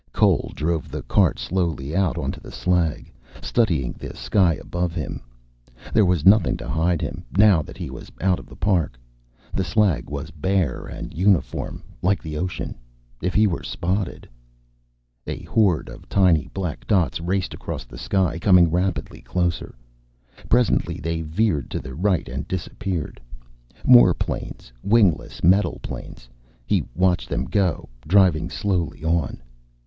Cole drove the cart slowly out onto the slag, studying the sky above him. There was nothing to hide him, now that he was out of the park. The slag was bare and uniform, like the ocean. If he were spotted A horde of tiny black dots raced across the sky, coming rapidly closer. Presently they veered to the right and disappeared. More planes, wingless metal planes. He watched them go, driving slowly on.